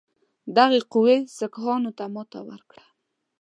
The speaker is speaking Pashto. دغې قوې سیکهانو ته ماته ورکړه.